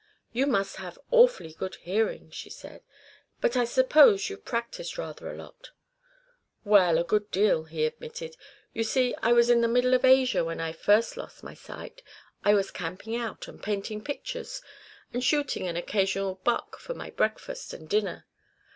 "You must have awfully good hearing," she said. "But I suppose you've practised rather a lot." "Well, a good deal," he admitted. "You see, I was in the middle of Asia when I first lost my sight. I was camping out, and painting pictures, and shooting an occasional buck for my breakfast and dinner.